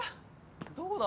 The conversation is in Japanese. どこだ？